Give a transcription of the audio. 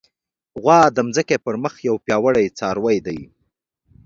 غوا د ځمکې پر مخ یو پیاوړی څاروی دی.